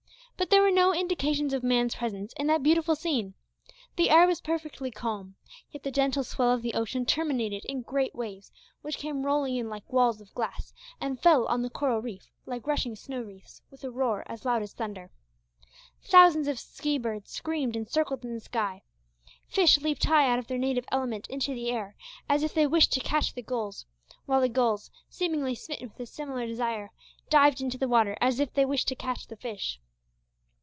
But there were no indications of man's presence in that beautiful scene. The air was perfectly calm, yet the gentle swell of the ocean terminated in great waves, which came rolling in like walls of glass, and fell on the coral reef like rushing snow wreaths with a roar as loud as thunder. Thousands of sea birds screamed and circled in the sky. Fish leaped high out of their native element into the air, as if they wished to catch the gulls, while the gulls, seemingly smitten with a similar desire, dived into the water as if they wished to catch the fish.